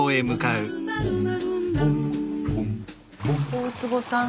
大坪さん。